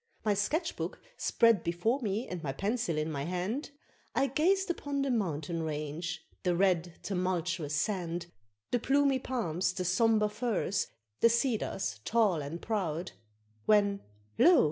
My sketch book spread before me, and my pencil in my hand, I gazed upon the mountain range, the red tumultuous sand, The plumy palms, the sombre firs, the cedars tall and proud, When lo!